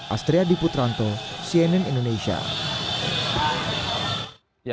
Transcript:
astri adi putranto cnn indonesia